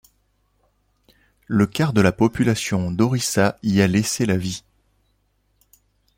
Le quart de la population d'Orissa y a laissé la vie.